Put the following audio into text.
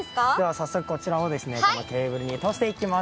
早速、こちらをケーブルに通していきます。